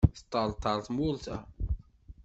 Teṭṭerṭer tmurt-a.